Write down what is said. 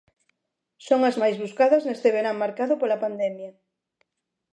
Son as máis buscadas neste verán marcado pola pandemia.